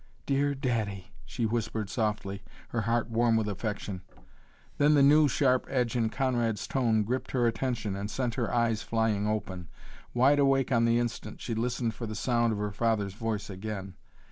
"Dear daddy!" she whispered softly, her heart warm with affection. Then the new, sharp edge in Conrad's tone gripped her attention and sent her eyes flying open. Wide awake on the instant, she listened for the sound of her father's voice again.